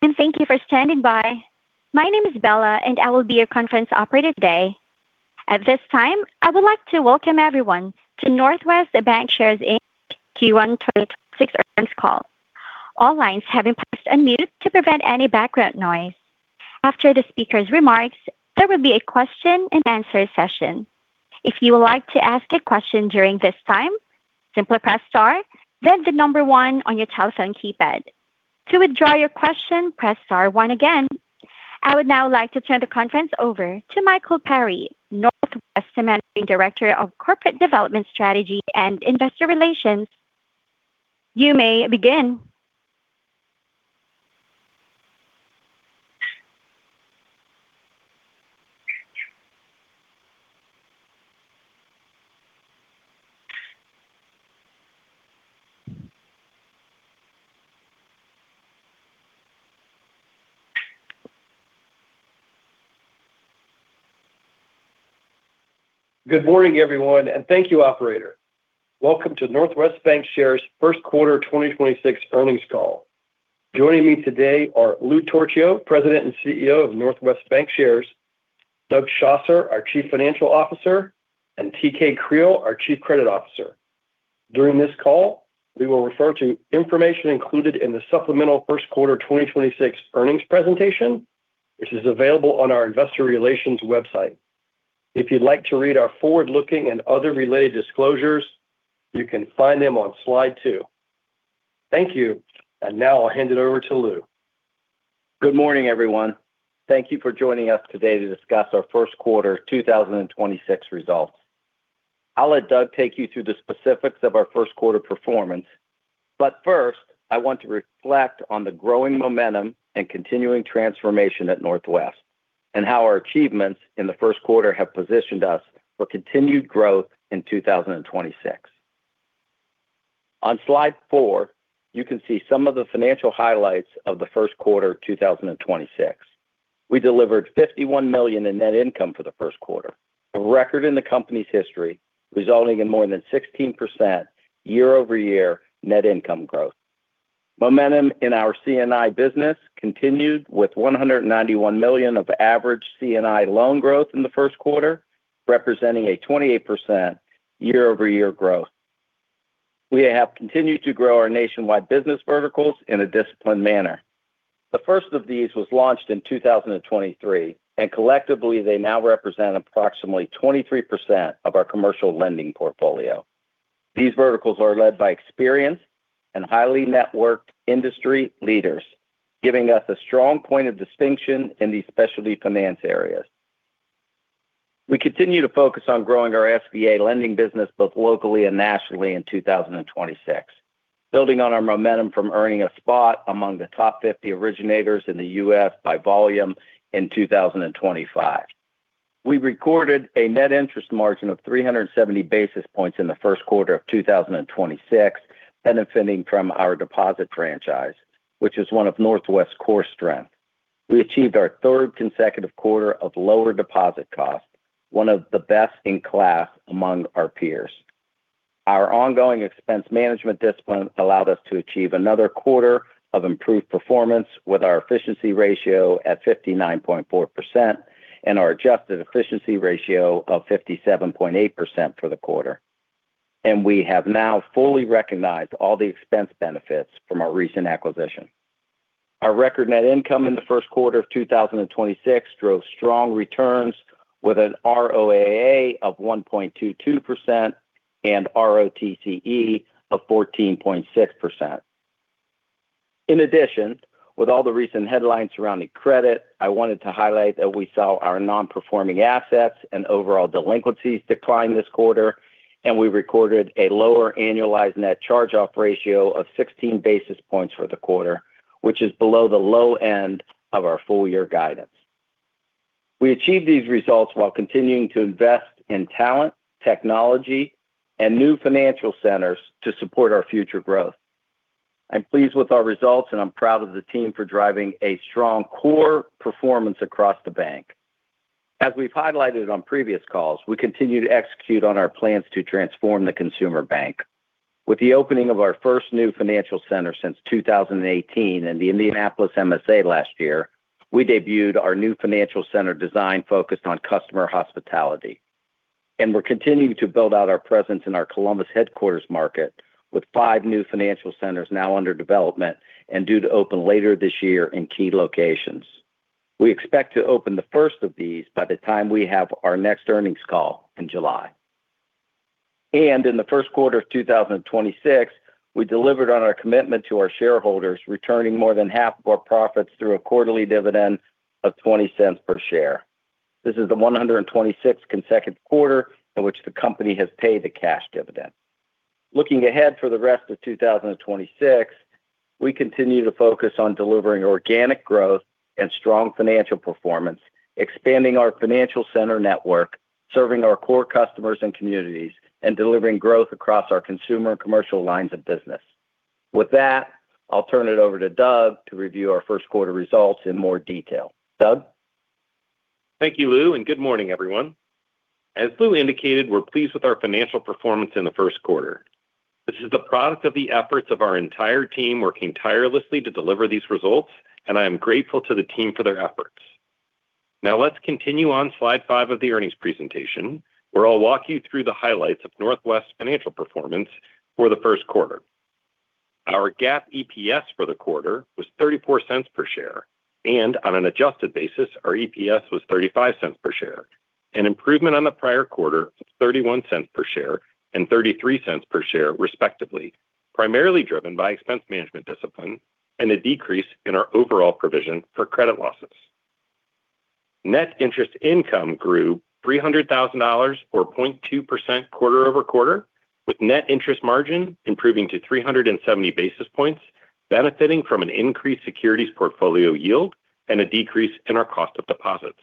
Hello, and thank you for standing by. My name is Bella, and I will be your conference operator today. At this time, I would like to welcome everyone to Northwest Bancshares Inc Q1 2026 earnings call. I would now like to turn the conference over to Michael Perry, Northwest's Managing Director of Corporate Development Strategy and Investor Relations. You may begin. Good morning, everyone, thank you, operator. Welcome to Northwest Bancshares' first quarter 2026 earnings call. Joining me today are Lou Torchio, President and Chief Executive Officer of Northwest Bancshares; Doug Schosser, our Chief Financial Officer; and T.K. Creal, our Chief Credit Officer. During this call, we will refer to information included in the supplemental first quarter 2026 earnings presentation, which is available on our investor relations website. If you'd like to read our forward-looking and other related disclosures, you can find them on slide two. Thank you. Now I'll hand it over to Lou. Good morning, everyone. Thank you for joining us today to discuss our first quarter 2026 results. I'll let Doug take you through the specifics of our first quarter performance. First, I want to reflect on the growing momentum and continuing transformation at Northwest and how our achievements in the first quarter have positioned us for continued growth in 2026. On slide four, you can see some of the financial highlights of the first quarter 2026. We delivered $51 million in net income for the first quarter, a record in the company's history, resulting in more than 16% year-over-year net income growth. Momentum in our C&I business continued with $191 million of average C&I loan growth in the first quarter, representing a 28% year-over-year growth. We have continued to grow our nationwide business verticals in a disciplined manner. The first of these was launched in 2023, and collectively they now represent approximately 23% of our commercial lending portfolio. These verticals are led by experienced and highly networked industry leaders, giving us a strong point of distinction in these specialty finance areas. We continue to focus on growing our SBA lending business both locally and nationally in 2026, building on our momentum from earning a spot among the top 50 originators in the U.S. by volume in 2025. We recorded a net interest margin of 370 basis points in the first quarter of 2026, benefiting from our deposit franchise, which is one of Northwest's core strengths. We achieved our third consecutive quarter of lower deposit costs, one of the best in class among our peers. Our ongoing expense management discipline allowed us to achieve another quarter of improved performance with our efficiency ratio at 59.4% and our adjusted efficiency ratio of 57.8% for the quarter. We have now fully recognized all the expense benefits from our recent acquisition. Our record net income in the first quarter of 2026 drove strong returns with an ROAA of 1.22% and ROTCE of 14.6%. With all the recent headlines surrounding credit, I wanted to highlight that we saw our non-performing assets and overall delinquencies decline this quarter, and we recorded a lower annualized net charge-off ratio of 16 basis points for the quarter, which is below the low end of our full-year guidance. We achieved these results while continuing to invest in talent, technology, and new financial centers to support our future growth. I'm pleased with our results, and I'm proud of the team for driving a strong core performance across the bank. As we've highlighted on previous calls, we continue to execute on our plans to transform the consumer bank. With the opening of our first new financial center since 2018 in the Indianapolis MSA last year, we debuted our new financial center design focused on customer hospitality. We're continuing to build out our presence in our Columbus headquarters market with five new financial centers now under development and due to open later this year in key locations. We expect to open the first of these by the time we have our next earnings call in July. In the first quarter of 2026, we delivered on our commitment to our shareholders, returning more than 1/2 of our profits through a quarterly dividend of $0.20 per share. This is the 126th consecutive quarter in which the company has paid a cash dividend. Looking ahead for the rest of 2026, we continue to focus on delivering organic growth and strong financial performance, expanding our financial center network, serving our core customers and communities, and delivering growth across our consumer and commercial lines of business. I'll turn it over to Doug to review our first quarter results in more detail. Doug? Thank you, Lou, and good morning, everyone. As Lou indicated, we're pleased with our financial performance in the first quarter. This is the product of the efforts of our entire team working tirelessly to deliver these results, and I am grateful to the team for their efforts. Let's continue on slide five of the earnings presentation, where I'll walk you through the highlights of Northwest's financial performance for the first quarter. Our GAAP EPS for the quarter was $0.34 per share, and on an adjusted basis, our EPS was $0.35 per share, an improvement on the prior quarter of $0.31 per share and $0.33 per share respectively, primarily driven by expense management discipline and a decrease in our overall provision for credit losses. Net interest income grew $300,000, or 0.2% quarter-over-quarter, with net interest margin improving to 370 basis points, benefiting from an increased securities portfolio yield and a decrease in our cost of deposits.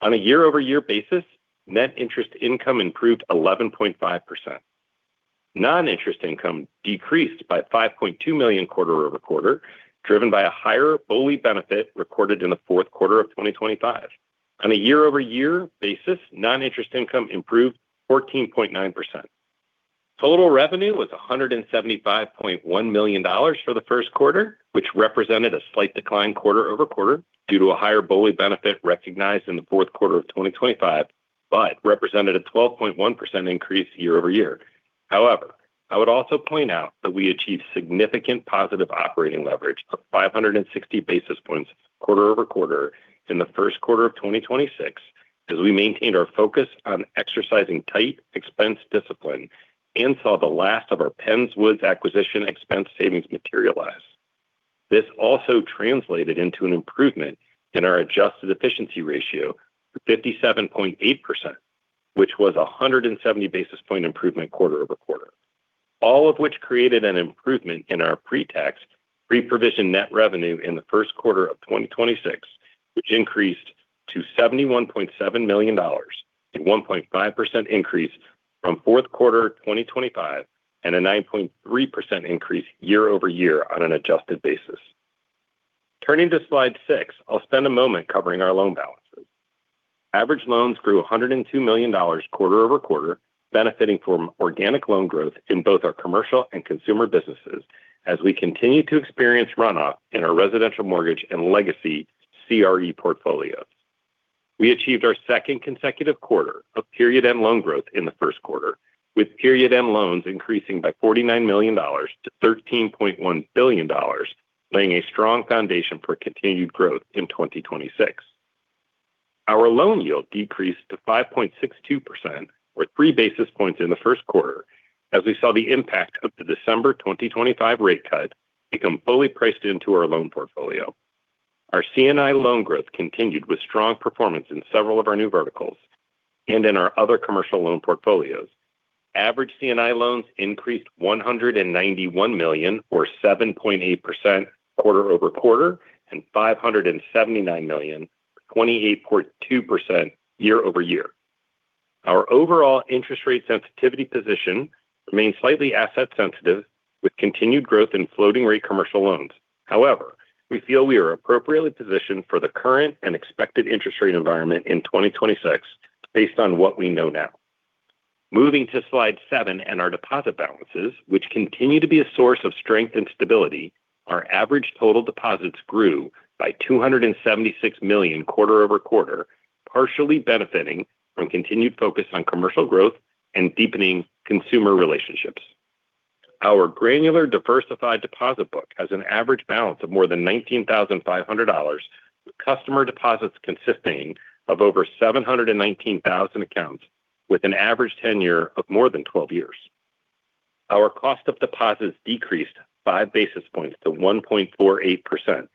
On a year-over-year basis, net interest income improved 11.5%. Non-interest income decreased by $5.2 million quarter-over-quarter, driven by a higher BOLI benefit recorded in the fourth quarter of 2025. On a year-over-year basis, non-interest income improved 14.9%. Total revenue was $175.1 million for the first quarter, which represented a slight decline quarter-over-quarter due to a higher BOLI benefit recognized in the fourth quarter of 2025, but represented a 12.1% increase year-over-year. However, I would also point out that we achieved significant positive operating leverage of 560 basis points quarter-over-quarter in the first quarter of 2026 as we maintained our focus on exercising tight expense discipline and saw the last of our Penns Woods acquisition expense savings materialize. This also translated into an improvement in our adjusted efficiency ratio to 57.8%, which was a 170 basis-point improvement quarter-over-quarter. All of which created an improvement in our pre-tax, pre-provision net revenue in the first quarter of 2026, which increased to $71.7 million, a 1.5% increase from fourth quarter 2025 and a 9.3% increase year-over-year on an adjusted basis. Turning to slide six, I'll spend a moment covering our loan balances. Average loans grew $102 million quarter-over-quarter, benefiting from organic loan growth in both our commercial and consumer businesses as we continue to experience runoff in our residential mortgage and legacy CRE portfolios. We achieved our second consecutive quarter of period-end loan growth in the first quarter, with period-end loans increasing by $49 million to $13.1 billion, laying a strong foundation for continued growth in 2026. Our loan yield decreased to 5.62% or 3 basis points in the first quarter as we saw the impact of the December 2025 rate cut become fully priced into our loan portfolio. Our C&I loan growth continued with strong performance in several of our new verticals and in our other commercial loan portfolios. Average C&I loans increased $191 million or 7.8% quarter-over-quarter and $579 million, or 28.2% year-over-year. Our overall interest rate sensitivity position remains slightly asset sensitive with continued growth in floating rate commercial loans. We feel we are appropriately positioned for the current and expected interest rate environment in 2026 based on what we know now. Moving to slide seven and our deposit balances, which continue to be a source of strength and stability, our average total deposits grew by $276 million quarter-over-quarter, partially benefiting from continued focus on commercial growth and deepening consumer relationships. Our granular diversified deposit book has an average balance of more than $19,500, with customer deposits consisting of over 719,000 accounts with an average tenure of more than 12 years. Our cost of deposits decreased 5 basis points to 1.48%,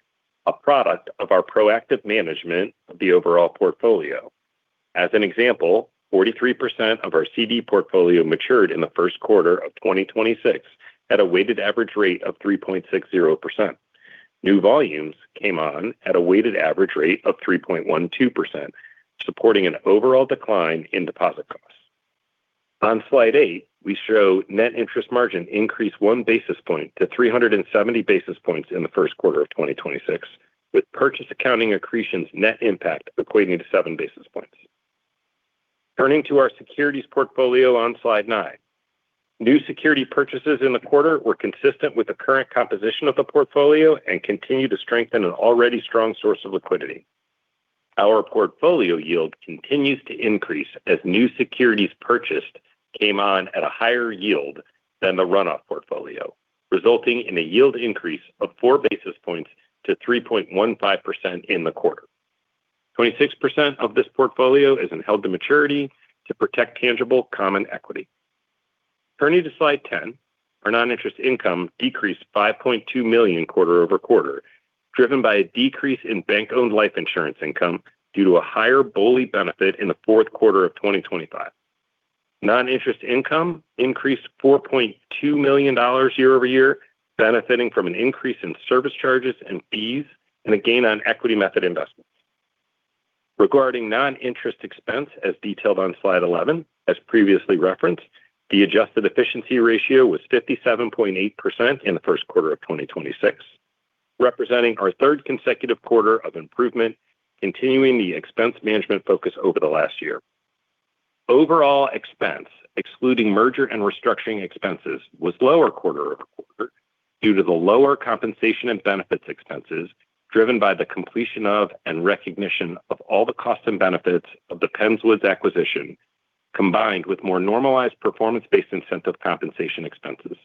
a product of our proactive management of the overall portfolio. As an example, 43% of our CD portfolio matured in the first quarter of 2026 at a weighted average rate of 3.60%. New volumes came on at a weighted average rate of 3.12%, supporting an overall decline in deposit costs. On slide eight, we show net interest margin increased 1 basis point to 370 basis points in the first quarter of 2026, with purchase accounting accretions net impact equating to 7 basis points. Turning to our securities portfolio on slide nine. New security purchases in the quarter were consistent with the current composition of the portfolio and continue to strengthen an already strong source of liquidity. Our portfolio yield continues to increase as new securities purchased came on at a higher yield than the runoff portfolio, resulting in a yield increase of 4 basis points to 3.15% in the quarter. Twenty-six percent of this portfolio is in held to maturity to protect tangible common equity. Turning to slide 10, our non-interest income decreased $5.2 million quarter-over-quarter, driven by a decrease in bank-owned life insurance income due to a higher BOLI benefit in the fourth quarter of 2025. Non-interest income increased $4.2 million year-over-year, benefiting from an increase in service charges and fees and a gain on equity method investments. Regarding non-interest expense, as detailed on slide 11, as previously referenced, the adjusted efficiency ratio was 57.8% in the first quarter of 2026. Representing our third consecutive quarter of improvement, continuing the expense management focus over the last year. Overall expense, excluding merger and restructuring expenses, was lower quarter-over-quarter due to the lower compensation and benefits expenses driven by the completion of and recognition of all the cost and benefits of the Penns Woods acquisition, combined with more normalized performance-based incentive compensation expenses.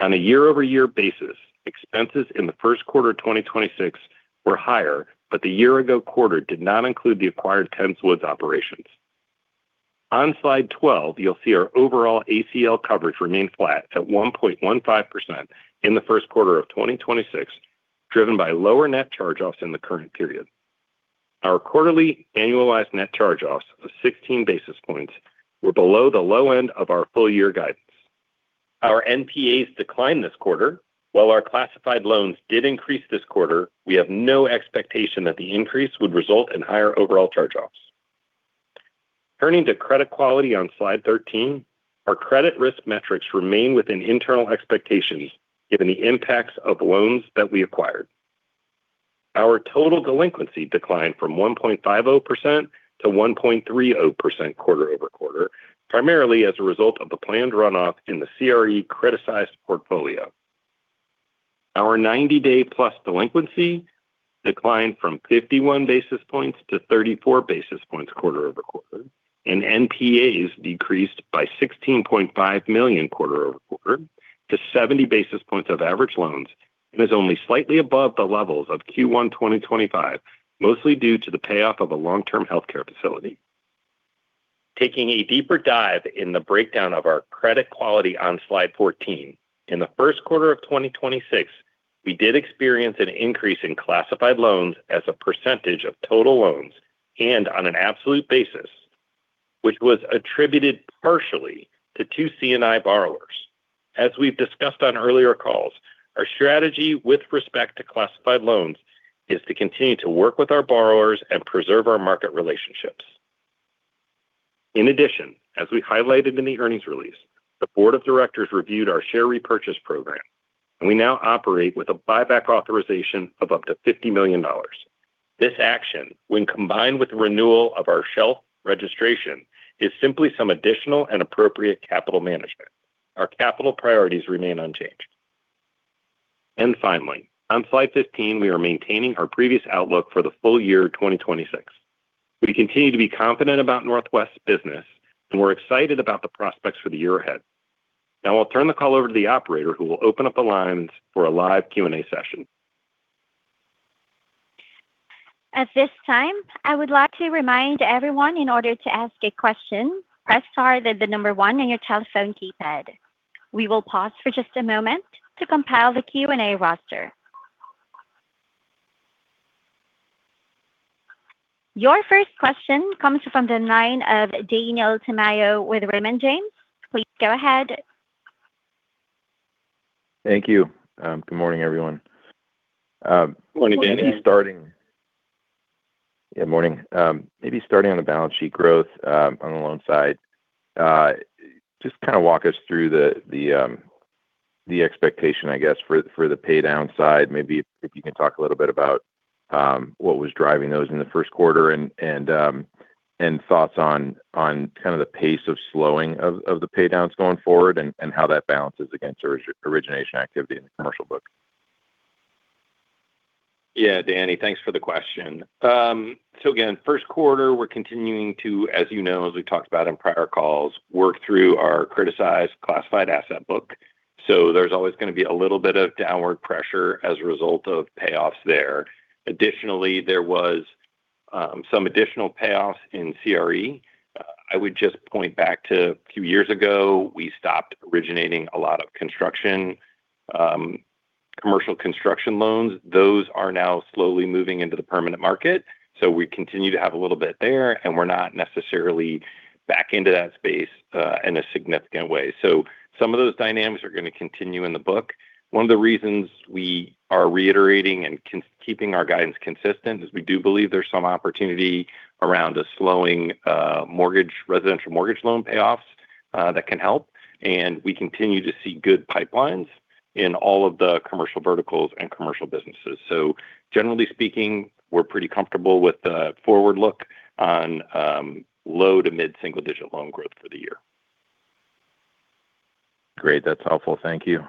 On a year-over-year basis, expenses in the first quarter of 2026 were higher, but the year-ago quarter did not include the acquired Penns Woods operations. On slide 12, you'll see our overall ACL coverage remained flat at 1.15% in the first quarter of 2026, driven by lower net charge-offs in the current period. Our quarterly annualized net charge-offs of 16 basis points were below the low end of our full-year guidance. Our NPAs declined this quarter. While our classified loans did increase this quarter, we have no expectation that the increase would result in higher overall charge-offs. Turning to credit quality on slide 13, our credit risk metrics remain within internal expectations given the impacts of loans that we acquired. Our total delinquency declined from 1.50% to 1.30% quarter-over-quarter, primarily as a result of the planned runoff in the CRE criticized portfolio. Our 90-day-plus delinquency declined from 51 basis points to 34 basis points quarter-over-quarter. NPAs decreased by $16.5 million quarter-over-quarter to 70 basis points of average loans and is only slightly above the levels of Q1 2025, mostly due to the payoff of a long-term healthcare facility. Taking a deeper dive in the breakdown of our credit quality on slide 14, in the first quarter of 2026, we did experience an increase in classified loans as a percentage of total loans and on an absolute basis, which was attributed partially to two C&I borrowers. As we've discussed on earlier calls, our strategy with respect to classified loans is to continue to work with our borrowers and preserve our market relationships. In addition, as we highlighted in the earnings release, the Board of Directors reviewed our share repurchase program, and we now operate with a buyback authorization of up to $50 million. This action, when combined with the renewal of our shelf registration, is simply some additional and appropriate capital management. Our capital priorities remain unchanged. Finally, on slide 15, we are maintaining our previous outlook for the full year 2026. We continue to be confident about Northwest's business, and we're excited about the prospects for the year ahead. Now I'll turn the call over to the operator who will open up the lines for a live Q&A session. Your first question comes from the line of Daniel Tamayo with Raymond James. Please go ahead. Thank you. Good morning, everyone. Good morning, Danny. Yeah, morning. Maybe starting on the balance sheet growth on the loan side. Just kind of walk us through the expectation, I guess, for the pay down side. Maybe if you can talk a little bit about what was driving those in the first quarter and thoughts on kind of the pace of slowing of the pay downs going forward and how that balances against origination activity in the commercial book. Yeah, Danny, thanks for the question. Again, first quarter, we're continuing to, as you know, as we talked about in prior calls, work through our criticized classified asset book. There's always gonna be a little bit of downward pressure as a result of payoffs there. Additionally, there were some additional payoffs in CRE. I would just point back to a few years ago, we stopped originating a lot of construction, commercial construction loans. Those are now slowly moving into the permanent market. We continue to have a little bit there, and we're not necessarily back into that space in a significant way. Some of those dynamics are gonna continue in the book. One of the reasons we are reiterating and keeping our guidance consistent is we do believe there's some opportunity around a slowing mortgage, residential mortgage loan payoffs that can help. We continue to see good pipelines in all of the commercial verticals and commercial businesses. Generally speaking, we're pretty comfortable with the forward look on low to mid-single-digit loan growth for the year. Great. That's helpful. Thank you.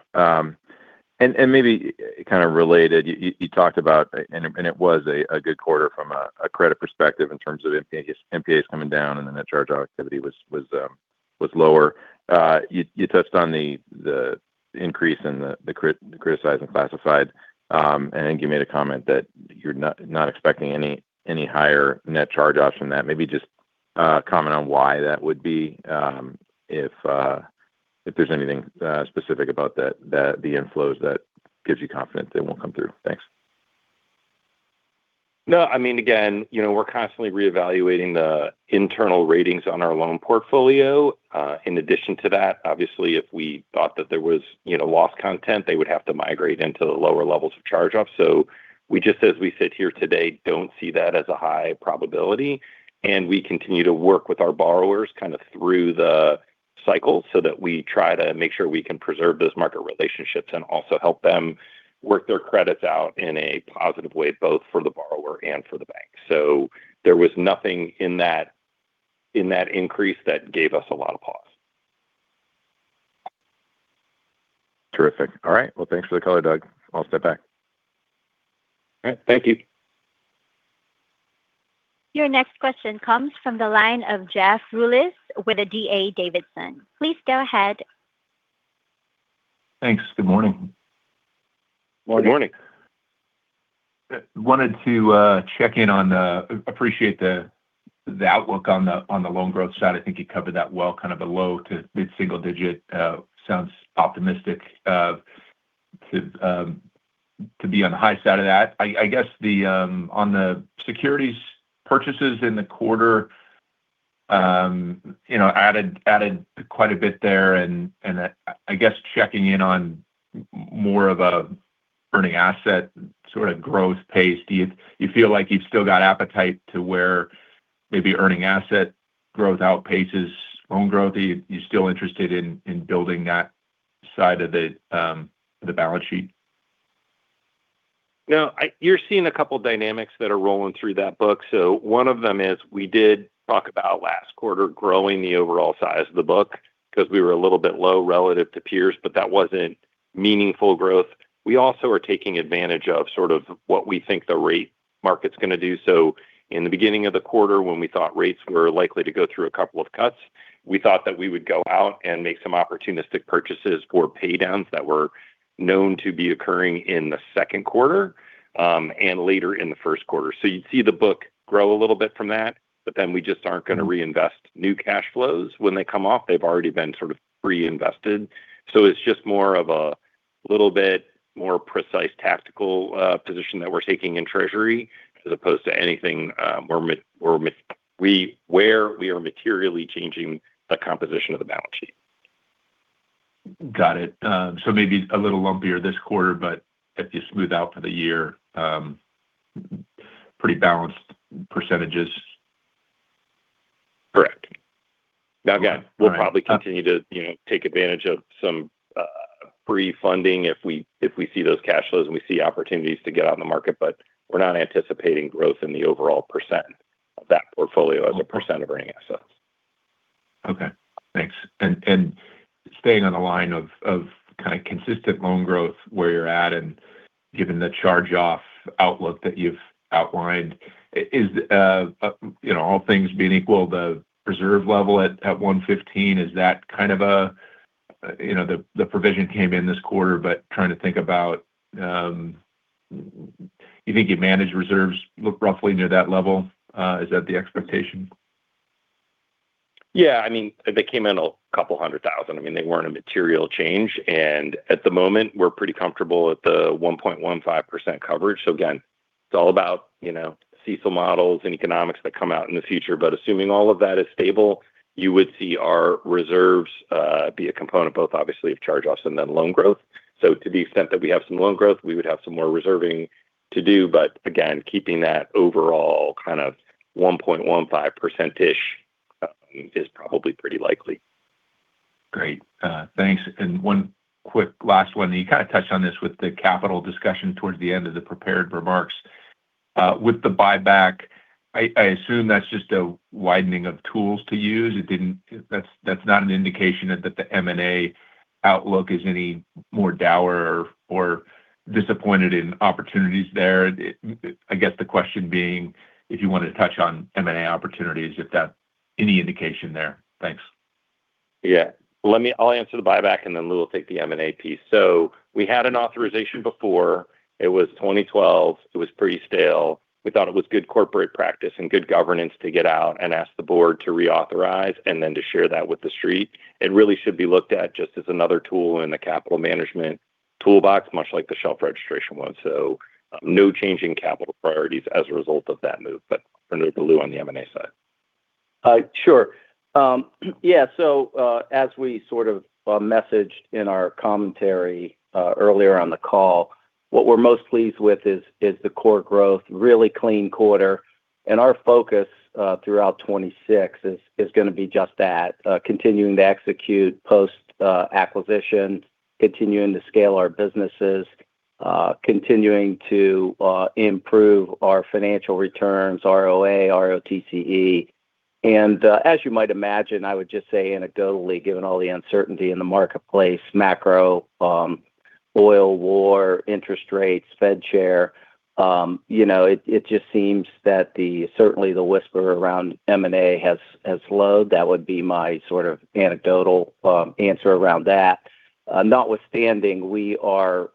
Maybe kind of related, you talked about, it was a good quarter from a credit perspective in terms of NPAs coming down and the net charge-off activity was lower. You touched on the increase in the criticized and classified. I think you made a comment that you're not expecting any higher net charge-offs from that. Maybe just comment on why that would be, if there's anything specific about that the inflows that gives you confidence they won't come through? Thanks. No, I mean, again, you know, we're constantly reevaluating the internal ratings on our loan portfolio. In addition to that, obviously, if we thought that there was, you know, loss content, they would have to migrate into the lower levels of charge-offs. We just, as we sit here today, don't see that as a high probability, and we continue to work with our borrowers kind of through the cycle so that we try to make sure we can preserve those market relationships and also help them work their credits out in a positive way both for the borrower and for the bank. There was nothing in that, in that increase that gave us a lot of pause. Terrific. All right. Well, thanks for the color, Doug. I'll step back. All right. Thank you. Your next question comes from the line of Jeff Rulis with D.A. Davidson. Please go ahead. Thanks. Good morning. Good morning. Good morning. Wanted to check in on, appreciate the outlook on the loan growth side. I think you covered that well, kind of below- to mid-single digit sounds optimistic to be on the high side of that. I guess the, on the securities purchases in the quarter, you know, added quite a bit there, and I guess checking in on more of a earning asset sort of growth pace. Do you feel like you've still got appetite to where maybe earning asset growth outpaces loan growth? Are you still interested in building that side of the balance sheet? No, you're seeing two dynamics that are rolling through that book. One of them is we did talk about last quarter growing the overall size of the book because we were a little bit low relative to peers, but that wasn't meaningful growth. We also are taking advantage of sort of what we think the rate market's going to do. In the beginning of the quarter when we thought rates were likely to go through two cuts, we thought that we would go out and make some opportunistic purchases for pay downs that were known to be occurring in the second quarter and later in the first quarter. You'd see the book grow a little bit from that, but then we just aren't going to reinvest new cash flows. When they come off, they've already been sort of pre-invested. It's just more of a little bit more precise tactical, position that we're taking in Treasury as opposed to anything, where we are materially changing the composition of the balance sheet. Got it. Maybe a little lumpier this quarter, but if you smooth out for the year, pretty balanced percentages. Correct. All right. We'll probably continue to, you know, take advantage of some free funding if we see those cash flows and we see opportunities to get out in the market. We're not anticipating growth in the overall percent of that portfolio as a percent of earning assets. Okay, thanks. Staying on the line of kind of consistent loan growth where you're at and given the charge-off outlook that you've outlined, is, you know, all things being equal, the reserve level at 115, you know, the provision came in this quarter, but trying to think about, you think you managed reserves roughly near that level, is that the expectation? Yeah. I mean, they came in a couple hundred thousand. I mean, they weren't a material change. At the moment we're pretty comfortable at the 1.15% coverage. Again, it's all about, you know, CECL models and economics that come out in the future. Assuming all of that is stable, you would see our reserves be a component both obviously of charge-offs and then loan growth. To the extent that we have some loan growth, we would have some more reserving to do. Again, keeping that overall kind of 1.15%-ish is probably pretty likely. Great. Thanks. One quick last one. You kind of touched on this with the capital discussion towards the end of the prepared remarks. With the buyback, I assume that's just a widening of tools to use. It didn't. That's not an indication that the M&A outlook is any more dour or disappointed in opportunities there. It. I guess the question being if you wanted to touch on M&A opportunities, if that's any indication there. Thanks. Yeah. I'll answer the buyback and then Lou will take the M&A piece. We had an authorization before. It was 2012. It was pretty stale. We thought it was good corporate practice and good governance to get out and ask the Board to reauthorize and then to share that with the Street. It really should be looked at just as another tool in the capital management toolbox, much like the shelf registration was. No change in capital priorities as a result of that move. I'll turn it to Lou on the M&A side. As we sort of messaged in our commentary earlier on the call, what we're most pleased with is the core growth really clean quarter. Our focus throughout 2026 is gonna be just that, continuing to execute post acquisition, continuing to scale our businesses, continuing to improve our financial returns, ROA, ROTCE. As you might imagine, I would just say anecdotally, given all the uncertainty in the marketplace, macro, oil, war, interest rates, Fed share, you know, it just seems that certainly the whisper around M&A has slowed. That would be my sort of anecdotal answer around that. Notwithstanding, we are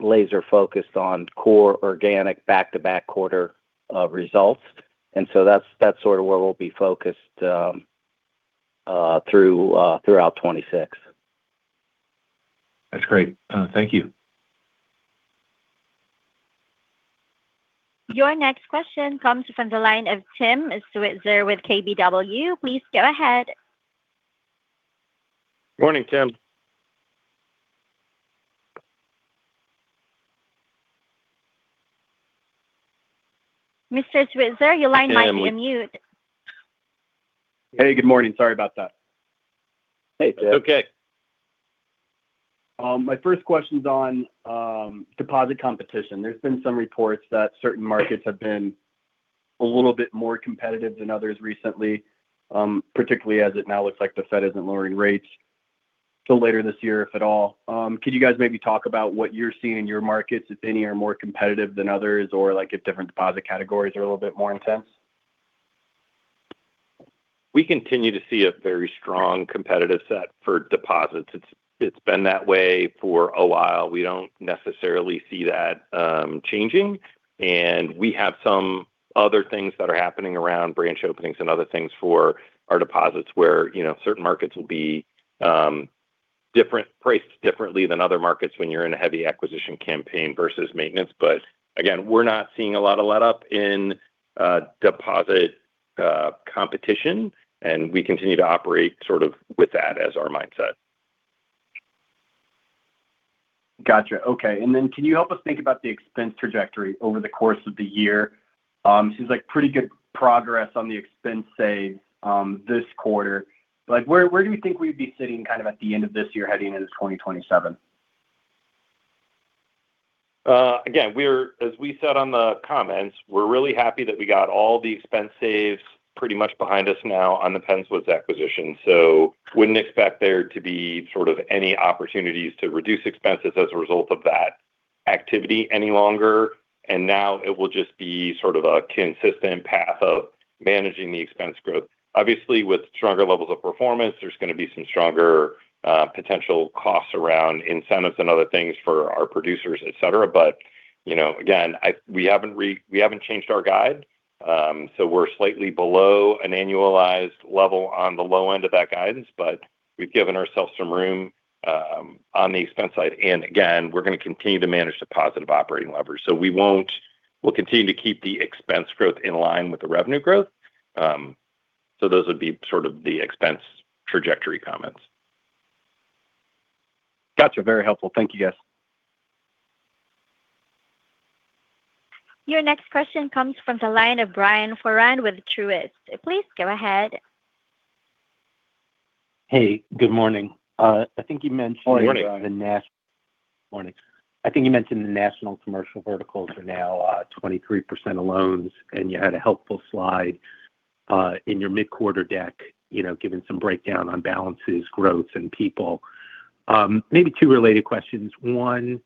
laser focused on core organic back-to-back quarter results. That's sort of where we'll be focused through throughout 2026. That's great. Thank you. Your next question comes from the line of Tim Switzer with KBW. Please go ahead. Morning, Tim. Mr. Switzer, your line might be on mute. Hey, good morning. Sorry about that. Hey, Tim. Okay. My first question's on deposit competition. There's been some reports that certain markets have been a little bit more competitive than others recently, particularly as it now looks like the Fed isn't lowering rates till later this year, if at all. Could you guys maybe talk about what you're seeing in your markets, if any are more competitive than others, or like if different deposit categories are a little bit more intense? We continue to see a very strong competitive set for deposits. It's been that way for a while. We don't necessarily see that changing. We have some other things that are happening around branch openings and other things for our deposits where, you know, certain markets will be priced differently than other markets when you're in a heavy acquisition campaign versus maintenance. Again, we're not seeing a lot of letup in deposit competition, and we continue to operate sort of with that as our mindset. Gotcha. Okay. Can you help us think about the expense trajectory over the course of the year? Seems like pretty good progress on the expense save this quarter. Like, where do you think we'd be sitting kind of at the end of this year heading into 2027? Again, as we said on the comments, we're really happy that we got all the expense saves pretty much behind us now on the Penns Woods acquisition. Wouldn't expect there to be sort of any opportunities to reduce expenses as a result of that activity any longer. Now it will just be sort of a consistent path of managing the expense growth. Obviously, with stronger levels of performance, there's gonna be some stronger potential costs around incentives and other things for our producers, et cetera. You know, again, we haven't changed our guide. We're slightly below an annualized level on the low end of that guidance, but we've given ourselves some room on the expense side. Again, we're gonna continue to manage the positive operating leverage. We'll continue to keep the expense growth in line with the revenue growth. Those would be sort of the expense trajectory comments. Gotcha. Very helpful. Thank you, guys. Your next question comes from the line of Brian Foran with Truist. Please go ahead. Hey, good morning. I think you mentioned— Good morning, Brian. Morning. I think you mentioned the national commercial verticals are now 23% of loans, and you had a helpful slide in your mid-quarter deck, you know, giving some breakdown on balances, growths, and people. Maybe two related questions. One,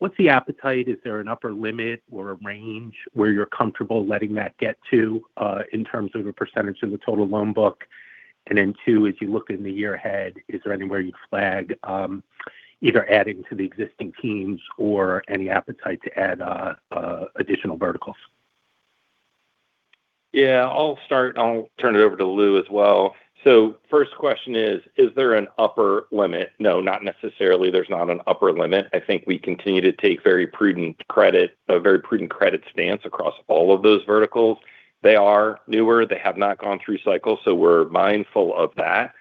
what's the appetite? Is there an upper limit or a range where you're comfortable letting that get to in terms of a percentage of the total loan book? Two, as you look in the year ahead, is there anywhere you'd flag either adding to the existing teams or any appetite to add additional verticals? I'll start. I'll turn it over to Lou as well. First question is there an upper limit? No, not necessarily. There's not an upper limit. I think we continue to take very prudent credit, a very prudent credit stance across all of those verticals. They are newer. They have not gone through cycles, we're mindful of that.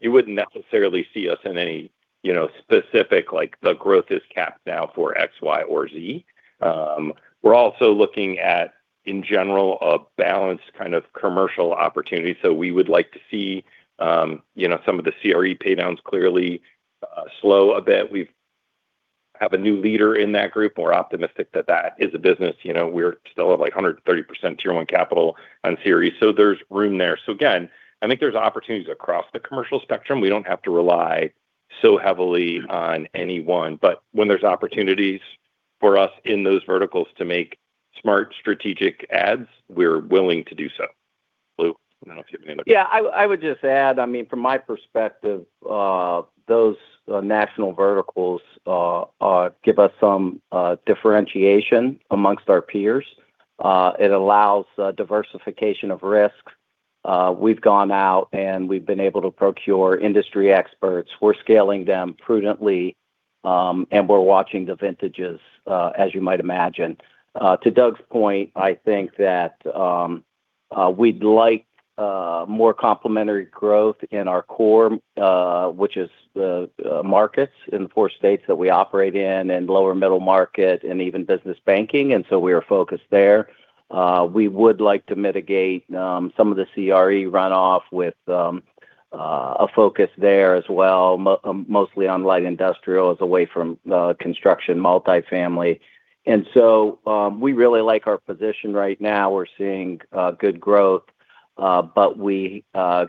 You wouldn't necessarily see us in any, you know, specific, like the growth is capped now for X, Y, or Z. We're also looking at, in general, a balanced kind of commercial opportunity. We would like to see, you know, some of the CRE paydowns clearly slow a bit. We have a new leader in that group. We're optimistic that that is a business. You know, we're still at like 130% Tier 1 capital on CRE. There's room there. Again, I think there's opportunities across the commercial spectrum. We don't have to rely so heavily on any one, but when there's opportunities for us in those verticals to make smart strategic adds, we're willing to do so. Lou, I don't know if you have anything to add. Yeah. I would just add, from my perspective, those national verticals give us some differentiation amongst our peers. It allows diversification of risks. We've gone out, and we've been able to procure industry experts. We're scaling them prudently, and we're watching the vintages, as you might imagine. To Doug's point, I think that we'd like more complementary growth in our core, which is the markets in the four states that we operate in and lower middle market and even business banking, and so we are focused there. We would like to mitigate some of the CRE runoff with a focus there as well, mostly on light industrial as away from construction multifamily. We really like our position right now. We're seeing good growth, but we,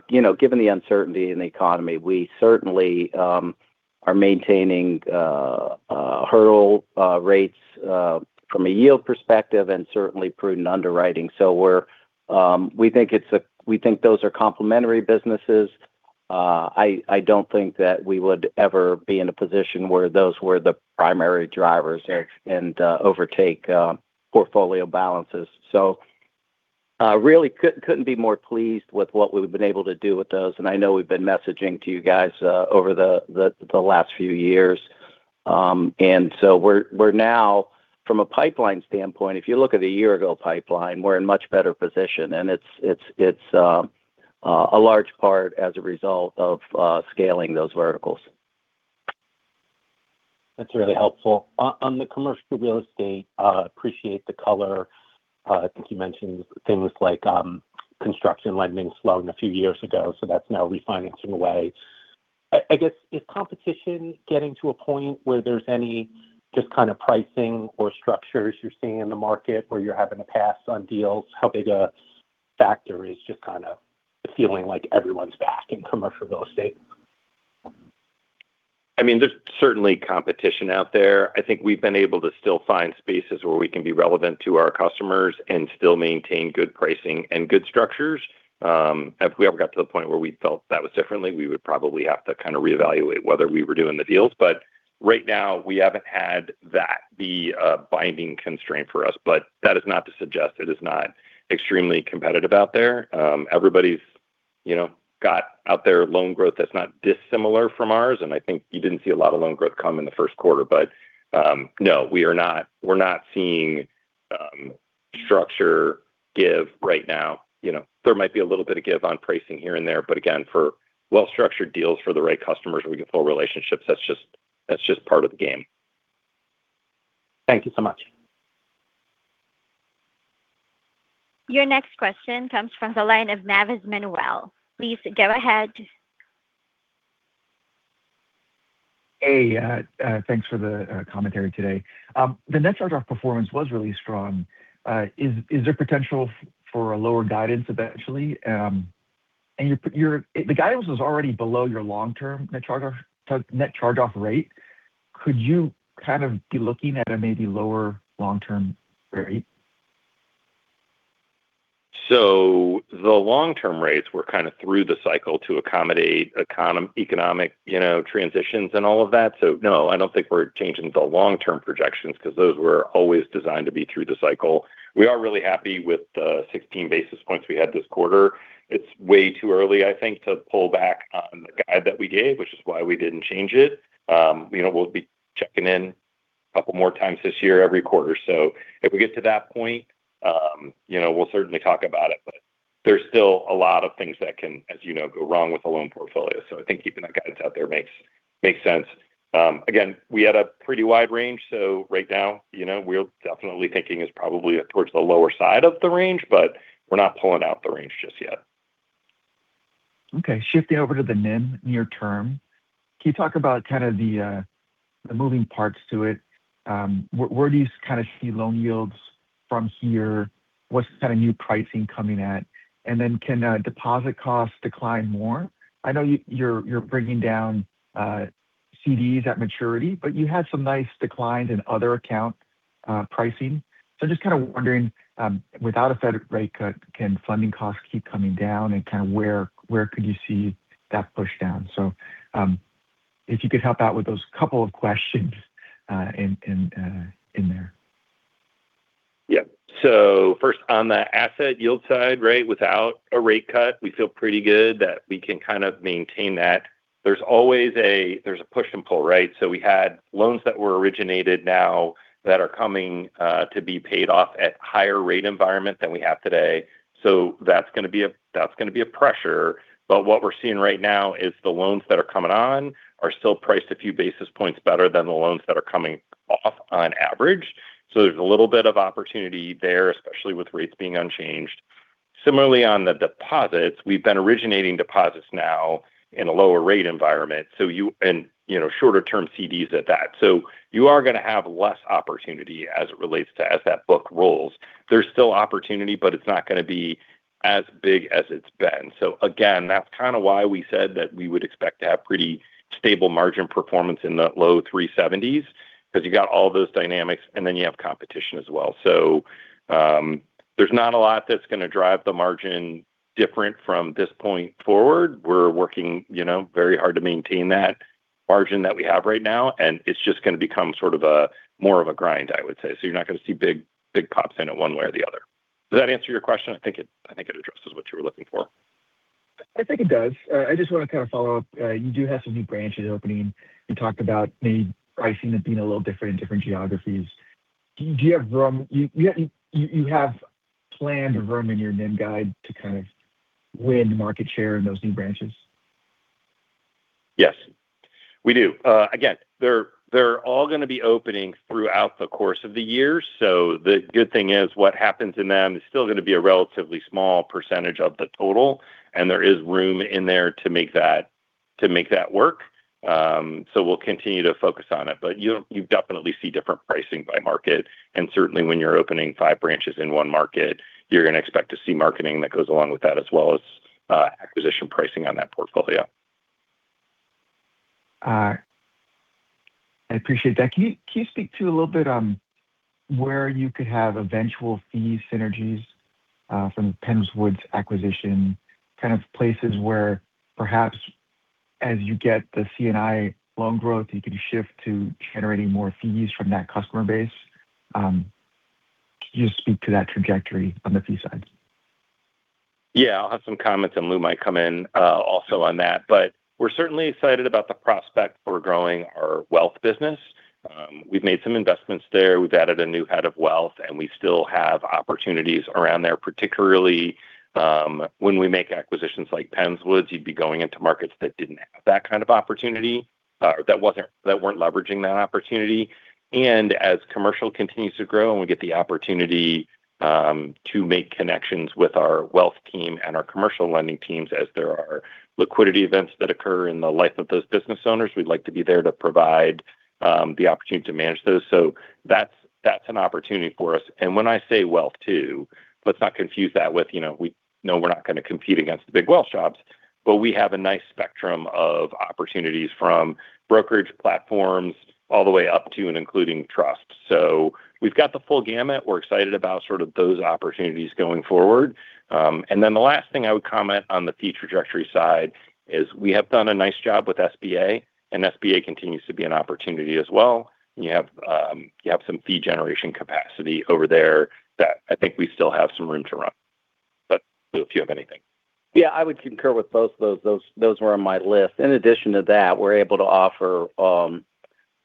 you know, given the uncertainty in the economy, we certainly are maintaining hurdle rates from a yield perspective and certainly prudent underwriting. We think those are complementary businesses. I don't think that we would ever be in a position where those were the primary drivers and overtake portfolio balances. Really couldn't be more pleased with what we've been able to do with those, and I know we've been messaging to you guys over the last few years. We're now from a pipeline standpoint, if you look at a year-ago pipeline, we're in much better position and it's a large part as a result of scaling those verticals. That's really helpful. On the commercial real estate, appreciate the color. I think you mentioned things like construction lending slowing a few years ago, so that's now refinancing away. I guess is competition getting to a point where there's any just kind of pricing or structures you're seeing in the market where you're having to pass on deals? How big a factor is just kind of the feeling like everyone's back in commercial real estate? I mean, there's certainly competition out there. I think we've been able to still find spaces where we can be relevant to our customers and still maintain good pricing and good structures. If we ever got to the point where we felt that was differently, we would probably have to kind of reevaluate whether we were doing the deals. Right now, we haven't had that be a binding constraint for us. That is not to suggest it is not extremely competitive out there. Everybody's, you know, got out their loan growth that's not dissimilar from ours, and I think you didn't see a lot of loan growth come in the first quarter. No, we're not seeing structure give right now. You know, there might be a little bit of give on pricing here and there, but again, for well-structured deals for the right customers where we can build relationships, that's just part of the game. Thank you so much. Your next question comes from the line of Manuel Navas. Please go ahead. Hey. Thanks for the commentary today. The net charge-off performance was really strong. Is there potential for a lower guidance eventually? The guidance was already below your long-term net charge-off rate. Could you kind of be looking at a maybe lower long-term rate? The long-term rates were kind of through the cycle to accommodate economic, you know, transitions and all of that. No, I don't think we're changing the long-term projections because those were always designed to be through the cycle. We are really happy with the 16 basis points we had this quarter. It's way too early, I think, to pull back on the guide that we gave, which is why we didn't change it. You know, we'll be checking in a couple more times this year every quarter. If we get to that point, you know, we'll certainly talk about it. But there's still a lot of things that can, as you know, go wrong with a loan portfolio. I think keeping that guidance out there makes sense. Again, we had a pretty wide range. Right now, you know, we're definitely thinking it's probably towards the lower side of the range, but we're not pulling out the range just yet. Okay. Shifting over to the NIM near term, can you talk about kind of the moving parts to it? Where do you kind of see loan yields from here? What's kind of new pricing coming at? Can deposit costs decline more? I know you're bringing down CDs at maturity, but you had some nice declines in other account pricing. Just kind of wondering, without a Fed rate cut, can funding costs keep coming down? Where could you see that push down? If you could help out with those couple of questions in there. First on the asset yield side, right, without a rate cut, we feel pretty good that we can kind of maintain that. There's always a push and pull, right? We had loans that were originated now that are coming to be paid off at higher-rate environment than we have today. That's going to be a pressure. What we're seeing right now is the loans that are coming on are still priced a few basis points better than the loans that are coming off on average. There's a little bit of opportunity there, especially with rates being unchanged. Similarly, on the deposits, we've been originating deposits now in a lower-rate environment, and, you know, shorter-term CDs at that. You are going to have less opportunity as it relates to as that book rolls. There's still opportunity, but it's not gonna be as big as it's been. Again, that's kind of why we said that we would expect to have pretty stable margin performance in the low 370s, because you got all those dynamics, and then you have competition as well. There's not a lot that's going to drive the margin different from this point forward. We're working, you know, very hard to maintain that margin that we have right now, and it's just going to become sort of a more of a grind, I would say. You're not going to see big pops in it one way or the other. Does that answer your question? I think it addresses what you were looking for. I think it does. I just want to kind of follow up. You do have some new branches opening. You talked about maybe pricing it being a little different in different geographies. Do you have room? You have planned room in your NIM guide to kind of win market share in those new branches. Yes, we do. Again, they're all going to be opening throughout the course of the year. The good thing is what happens in them is still going to be a relatively small percentage of the total, and there is room in there to make that work. We'll continue to focus on it. You definitely see different pricing by market, and certainly when you're opening five branches in one market, you're going to expect to see marketing that goes along with that, as well as acquisition pricing on that portfolio. I appreciate that. Can you speak to a little bit on where you could have eventual fee synergies from the Penns Woods acquisition, kind of places where perhaps as you get the C&I loan growth, you can shift to generating more fees from that customer base? Can you just speak to that trajectory on the fee side? Yeah. I'll have some comments and Lou might come in also on that. We're certainly excited about the prospect for growing our wealth business. We've made some investments there. We've added a new head of wealth, and we still have opportunities around there, particularly when we make acquisitions like Penns Woods, you'd be going into markets that didn't have that kind of opportunity, or that weren't leveraging that opportunity. As commercial continues to grow and we get the opportunity to make connections with our wealth team and our commercial lending teams as there are liquidity events that occur in the life of those business owners. We'd like to be there to provide the opportunity to manage those. That's an opportunity for us. When I say wealth too, let's not confuse that with, you know, we know we're not gonna compete against the big wealth shops, but we have a nice spectrum of opportunities from brokerage platforms all the way up to and including trust. We've got the full gamut. We're excited about sort of those opportunities going forward. The last thing I would comment on the fee trajectory side is we have done a nice job with SBA, and SBA continues to be an opportunity as well. You have some fee generation capacity over there that I think we still have some room to run. Lou, if you have anything. Yeah, I would concur with both of those. Those were on my list. In addition to that, we're able to offer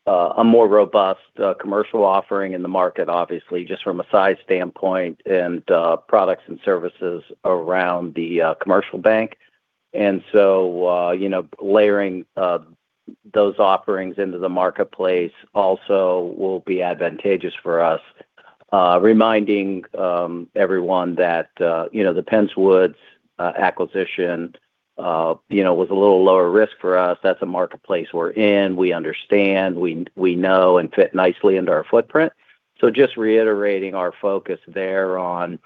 a more robust commercial offering in the market, obviously, just from a size standpoint and products and services around the commercial bank. You know, layering those offerings into the marketplace also will be advantageous for us. Reminding everyone that, you know, the Penns Woods acquisition, you know, was a little lower risk for us. That's a marketplace we're in, we understand, we know, and fit nicely into our footprint. Just reiterating our focus there on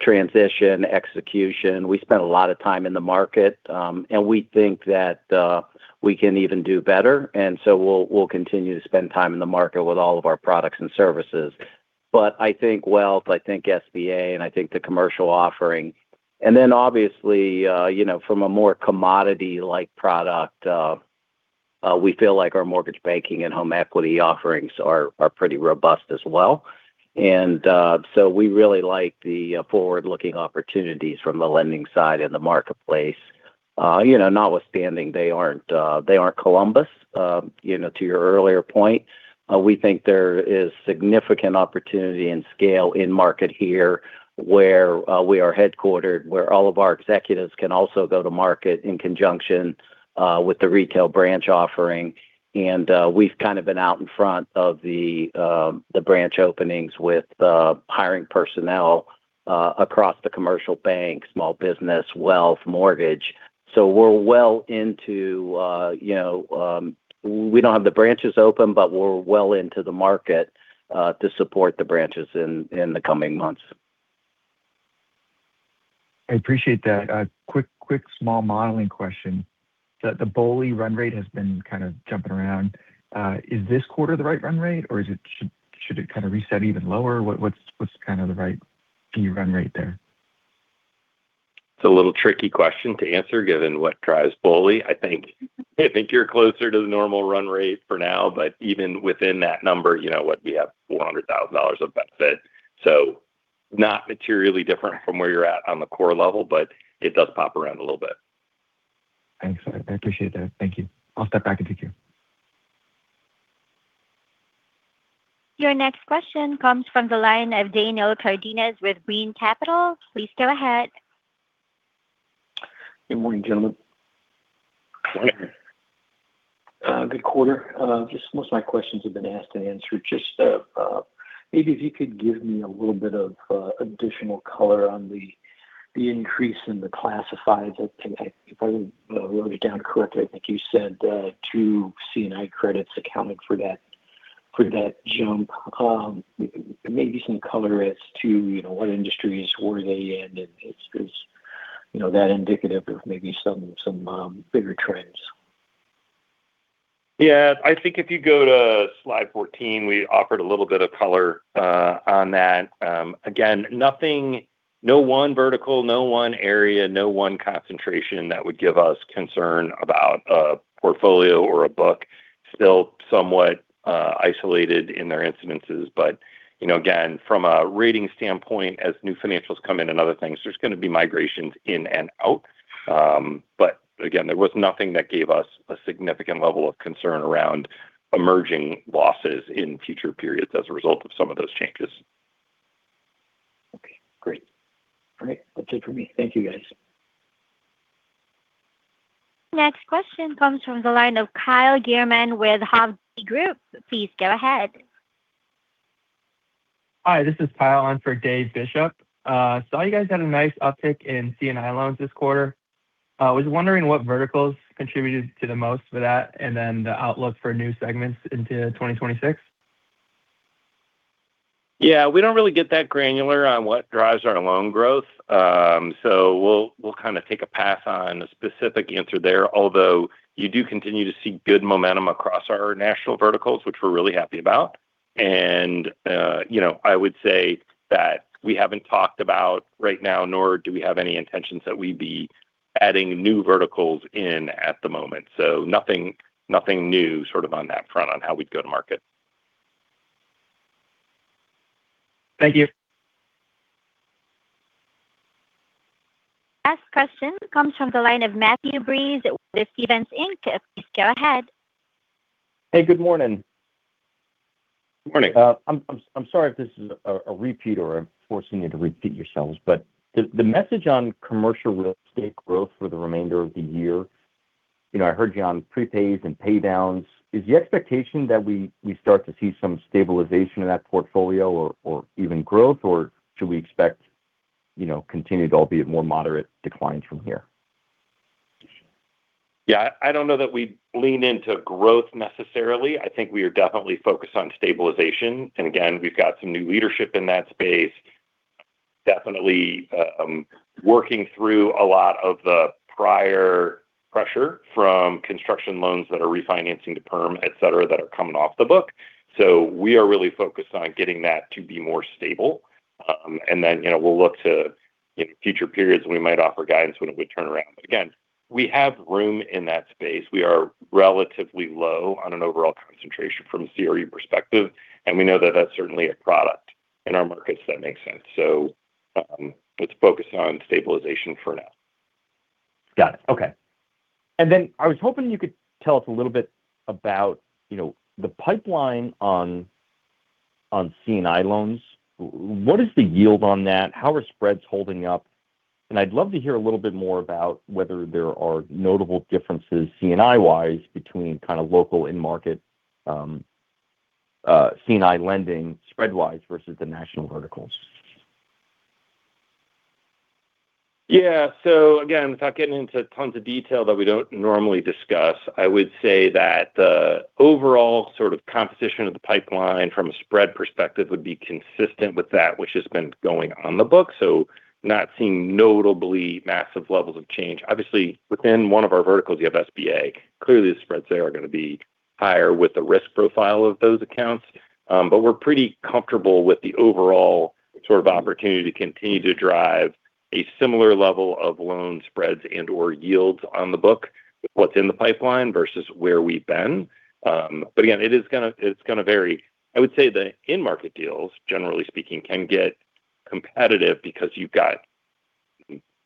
transition, execution. We spent a lot of time in the market, and we think that we can even do better, and so we'll continue to spend time in the market with all of our products and services. I think wealth, I think SBA, and I think the commercial offering. Obviously, from a more commodity-like product, we feel like our mortgage banking and home equity offerings are pretty robust as well. We really like the forward-looking opportunities from the lending side in the marketplace. Notwithstanding they aren't, they aren't Columbus, to your earlier point. We think there is significant opportunity and scale in market here where we are headquartered, where all of our executives can also go to market in conjunction with the retail branch offering. We've kind of been out in front of the branch openings with the hiring personnel across the commercial bank, small business, wealth, mortgage. We're well into, you know, we don't have the branches open, but we're well into the market to support the branches in the coming months. I appreciate that. A quick small modeling question. The BOLI run rate has been kind of jumping around. Is this quarter the right run rate, or should it kind of reset even lower? What's kind of the right fee run rate there? It's a little tricky question to answer given what drives BOLI. I think you're closer to the normal run rate for now, but even within that number, you know what, we have $400,000 of benefit. Not materially different from where you're at on the core level, but it does pop around a little bit. Thanks. I appreciate that. Thank you. I'll step back and take care. Your next question comes from the line of Daniel Cardenas with Brean Capital. Please go ahead. Good morning, gentlemen. Morning. Good quarter. Just most of my questions have been asked and answered. Just, maybe if you could give me a little bit of additional color on the increase in the classified. If I wrote it down correctly, I think you said, two C&I credits accounted for that jump. Maybe some color as to, you know, what industries were they in, and is, you know, that indicative of maybe some bigger trends? I think if you go to slide 14, we offered a little bit of color on that. Again, no one vertical, no one area, no one concentration that would give us concern about a portfolio or a book still somewhat isolated in their incidences. You know, again, from a rating standpoint, as new financials come in and other things, there's gonna be migrations in and out. Again, there was nothing that gave us a significant level of concern around emerging losses in future periods as a result of some of those changes. Okay, great. All right. That's it for me. Thank you, guys. Next question comes from the line of Kyle Gierman with Hovde Group. Please go ahead. Hi, this is Kyle on for Dave Bishop. Saw you guys had a nice uptick in C&I loans this quarter. Was wondering what verticals contributed to the most for that, and then the outlook for new segments into 2026. Yeah. We don't really get that granular on what drives our loan growth. We'll kind of take a pass on a specific answer there, although you do continue to see good momentum across our national verticals, which we're really happy about. You know, I would say that we haven't talked about right now, nor do we have any intentions that we'd be adding new verticals in at the moment. Nothing new sort of on that front on how we'd go to market. Thank you. Last question comes from the line of Matthew Breese with Stephens Inc. Please go ahead. Hey, good morning. Morning. I'm sorry if this is a repeat or I'm forcing you to repeat yourselves, but the message on commercial real estate growth for the remainder of the year. You know, I heard you on prepays and pay downs. Is the expectation that we start to see some stabilization in that portfolio or even growth, or should we expect, you know, continued, albeit more moderate declines from here? Yeah. I don't know that we lean into growth necessarily. I think we are definitely focused on stabilization. Again, we've got some new leadership in that space. Definitely, working through a lot of the prior pressure from construction loans that are refinancing to perm, et cetera, that are coming off the book. We are really focused on getting that to be more stable. You know, we'll look to, you know, future periods, and we might offer guidance when it would turn around. Again, we have room in that space. We are relatively low on an overall concentration from a CRE perspective, and we know that that's certainly a product in our markets that makes sense. Let's focus on stabilization for now. Got it. Okay. Then I was hoping you could tell us a little bit about, you know, the pipeline on C&I loans. What is the yield on that? How are spreads holding up? I'd love to hear a little bit more about whether there are notable differences C&I-wise between kind of local end market, C&I lending spread-wise versus the national verticals. Again, without getting into tons of detail that we don't normally discuss, I would say that the overall sort of composition of the pipeline from a spread perspective would be consistent with that which has been going on the book. Not seeing notably massive levels of change. Obviously, within one of our verticals you have SBA. Clearly, the spreads there are gonna be higher with the risk profile of those accounts. We're pretty comfortable with the overall sort of opportunity to continue to drive a similar level of loan spreads and/or yields on the book with what's in the pipeline versus where we've been. Again, it's gonna vary. I would say the end market deals, generally speaking, can get competitive because you've got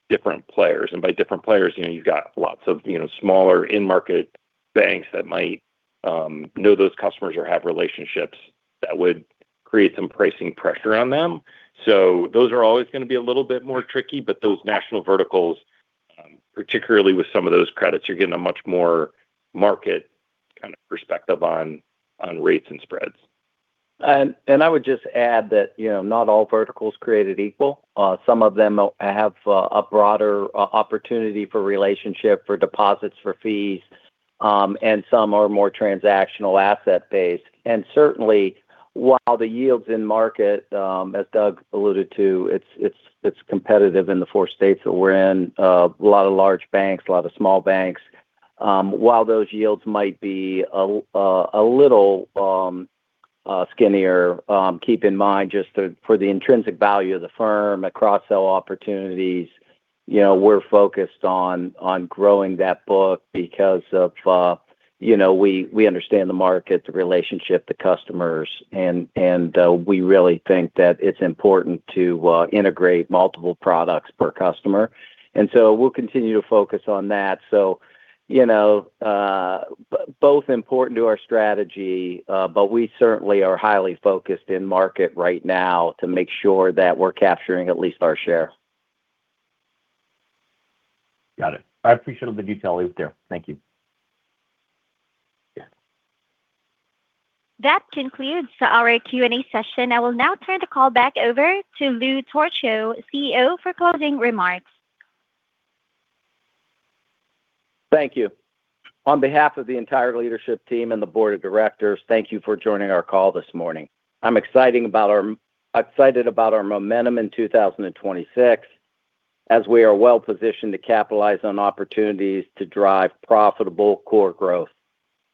different players. By different players, you know, you've got lots of, you know, smaller end market banks that might know those customers or have relationships that would create some pricing pressure on them. Those are always gonna be a little bit more tricky. Those national verticals, particularly with some of those credits, you're getting a much more market kind of perspective on rates and spreads. I would just add that, you know, not all verticals are created equal. Some of them have a broader opportunity for relationship, for deposits, for fees. Some are more transactional asset-based. Certainly while the yields in market, as Doug alluded to, it's competitive in the four states that we're in. A lot of large banks, a lot of small banks. While those yields might be a little skinnier, keep in mind for the intrinsic value of the firm, the cross-sell opportunities. We're focused on growing that book because of, we understand the market, the relationship, the customers. We really think that it's important to integrate multiple products per customer. We'll continue to focus on that. You know, both important to our strategy, but we certainly are highly focused in market right now to make sure that we're capturing at least our share. Got it. I appreciate all the detail in there. Thank you. Yeah. That concludes our Q&A session. I will now turn the call back over to Lou Torchio, CEO, for closing remarks. Thank you. On behalf of the entire leadership team and the Board of Directors, thank you for joining our call this morning. I'm excited about our momentum in 2026 as we are well-positioned to capitalize on opportunities to drive profitable core growth.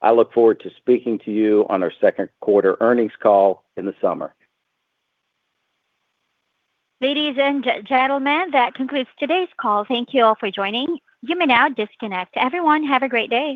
I look forward to speaking to you on our second quarter earnings call in the summer. Ladies and gentlemen, that concludes today's call. Thank you all for joining. You may now disconnect. Everyone, have a great day.